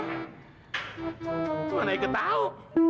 gimana eike tahu